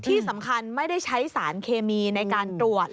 ที่สำคัญไม่ได้ใช้สารเคมีในการตรวจ